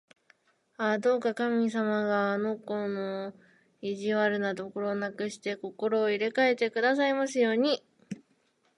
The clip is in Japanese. ああ、どうか神様があの子の意地悪なところをなくして、心を入れかえてくださいますように！